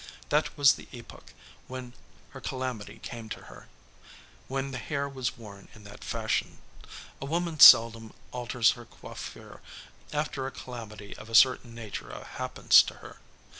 That was the epoch when her calamity came to her, when the hair was worn in that fashion. A woman seldom alters her coiffure after a calamity of a certain nature happens to her.